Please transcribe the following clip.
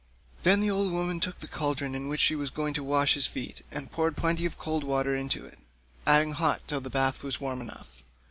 Then the old woman took the cauldron in which she was going to wash his feet, and poured plenty of cold water into it, adding hot till the bath was warm enough.